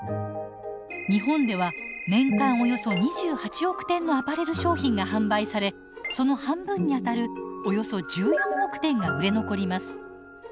日本では年間およそ２８億点のアパレル商品が販売されその半分にあたるおよそ１４億点が売れ残ります。